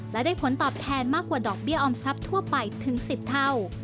และได้ผลตอบแทนมากกว่าดอกเบี้ยออมทรัพย์ทั่วไปถึง๑๐เท่า